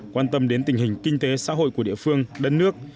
quan tâm đến tình hình kinh tế xã hội của địa phương đất nước